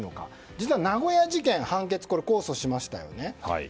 実は名古屋事件、判決を控訴しましたよね。